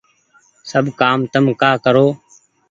سب ڪآم تم ڪآ ڪرو